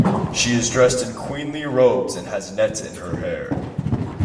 She is dressed in queenly robes and has nets in her hair.